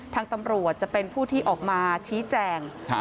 ทางตำรวจจะเป็นผู้ที่ออกมาชี้แจง